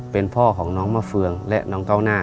เป็นพ่อของน้องมะเฟืองและน้องเก้าหน้า